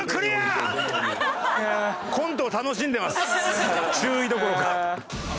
コントを楽しんでます注意どころか。